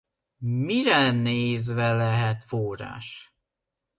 Mire nézve lehet forrás?